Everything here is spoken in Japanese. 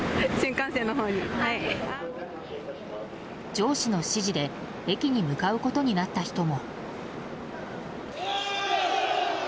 上司の指示で駅に向かうことになった人も。